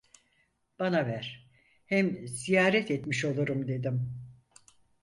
Bana ver, hem ziyaret etmiş olurum dedim.